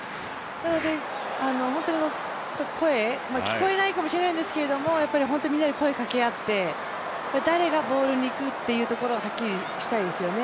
なので声、聞こえないかもしれないですけど本当にみんなで声かけ合って誰がボールにいくというところをはっきりしたいですよね。